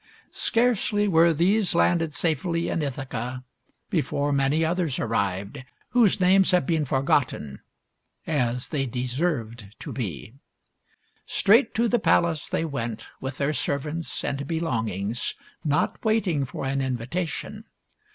Scarcely were these landed safely in Ithaca before many others arrived, whose names have been forgotten, as they deserved to be. Straight to the palace they went, with their serv ants and belongings, not waiting for an invitation.